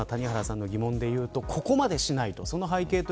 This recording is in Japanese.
ですから今谷原さんの疑問でいうとここまでしないと。